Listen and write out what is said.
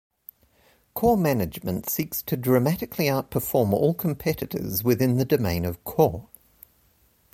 Core management seeks to dramatically outperform all competitors within the domain of core.